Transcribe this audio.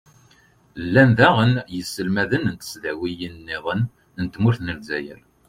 llan daɣen yiselmaden n tesdawin-nniḍen n tmurt n lezzayer.